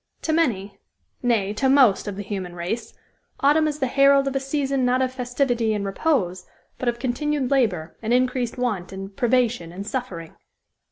To many nay, to most of the human race autumn is the herald of a season not of festivity and repose, but of continued labor, and increased want and privation and suffering."